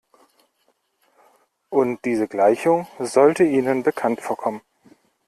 Und diese Gleichung sollte Ihnen bekannt vorkommen.